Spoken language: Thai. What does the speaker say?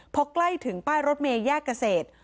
พอใกล้ถึงป้ายรถเมย์แยกเกษตร